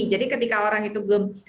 jadi ketika orang itu belum